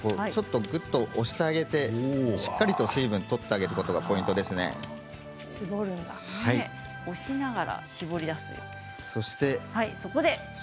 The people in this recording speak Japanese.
ぐっと押してあげてしっかりと水分を取ってあげることがポイントです。